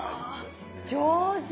上手！